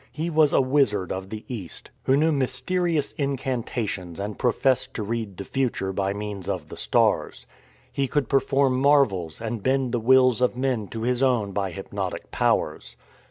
He was a wizard of the East, who knew mysterious incanta tions and professed to read the future by means of the stars. He could perform marvels and bend the wills of men to his own by hypnotic powers.